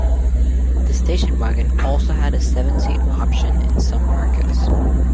The station wagon also had a seven-seat option in some markets.